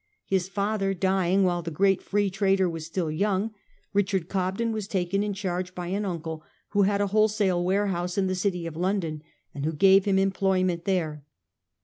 His father dying while the great Free Trader was still young, Richard Cobden was taken in charge by an uncle, who had a wholesale warehouse in the City of London, and who gave him employment there.